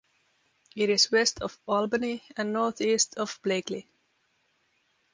It is west of Albany and northeast of Blakely.